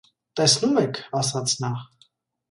- Տեսնո՞ւմ եք,- ասաց նա.